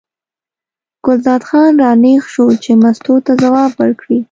ګلداد خان را نېغ شو چې مستو ته ځواب ورکړي.